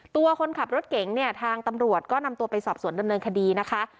ตัวคนขับรถเก๋งเนี่ยทางตำรวจก็นำตัวไปสอบสวนดำเนินคดีนะคะ